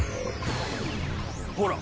ほら！